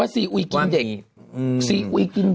ซีอุ๋ยกินเด็ก